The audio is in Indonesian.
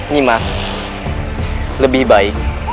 nimas lebih baik